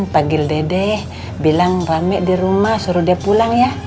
panggil dede bilang rame di rumah suruh dia pulang ya